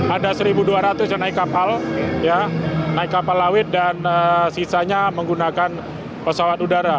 ada satu dua ratus yang naik kapal naik kapal laut dan sisanya menggunakan pesawat udara